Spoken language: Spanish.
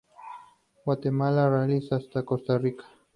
Guatemala, Belice, hasta Costa Rica.